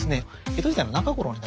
江戸時代の中期に。